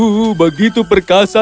kepala setinggi mungkin lihat aku